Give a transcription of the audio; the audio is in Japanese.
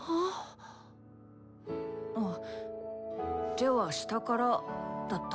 手は下からだった。